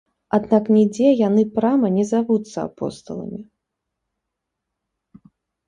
Аднак нідзе яны прама не завуцца апосталамі.